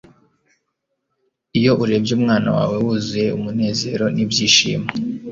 iyo urebye umwana wawe wuzuye umunezero n'ibyishimo